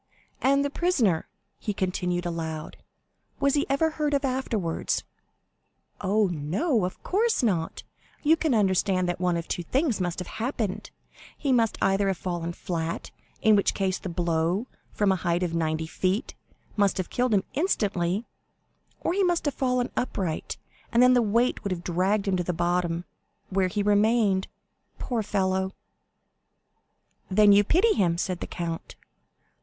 And the prisoner," he continued aloud, "was he ever heard of afterwards?" "Oh, no; of course not. You can understand that one of two things must have happened; he must either have fallen flat, in which case the blow, from a height of ninety feet, must have killed him instantly, or he must have fallen upright, and then the weight would have dragged him to the bottom, where he remained—poor fellow!" "Then you pity him?" said the count.